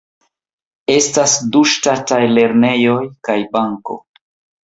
Estas du ŝtataj lernejoj kaj banko.